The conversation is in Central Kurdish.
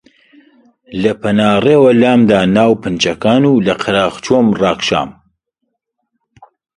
لە پەنا ڕێوە لامدا ناو پنچکان و لە قەراغ چۆم ڕاکشام